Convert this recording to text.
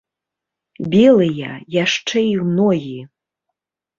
Белыя, яшчэ і ногі.